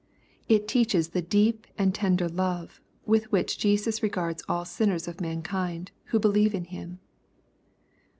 It teaches the deep and tender love with which Jesus regards all sinners of mankind, who believe in Him.